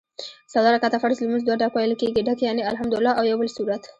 څلور رکعته فرض لمونځ دوه ډک ویل کېږي ډک یعني الحمدوالله او یوبل سورت